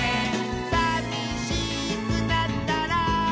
「さみしくなったら」